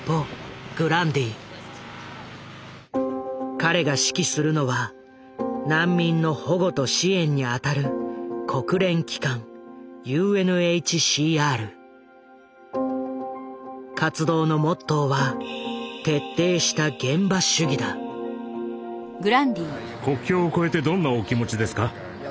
彼が指揮するのは難民の保護と支援に当たる国連機関活動のモットーは徹底した国境を越えてどんなお気持ちですか。